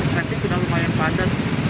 traffic udah lumayan padat